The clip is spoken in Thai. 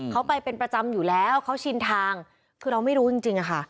เขาไปเป็นประจำอยู่แล้วเขาชินทางคือเราไม่รู้จริงจริงอะค่ะ